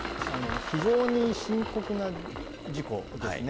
非常に深刻な事故ですね。